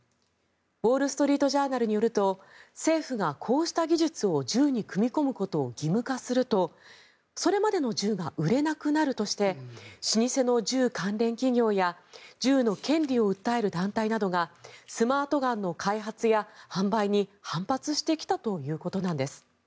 ウォール・ストリート・ジャーナルによると政府がこうした技術を銃に組み込むことを義務化するとそれまでの銃が売れなくなるとして老舗の銃関連企業や銃の権利を訴える団体などがスマートガンの開発や販売に反発してきたということなんです。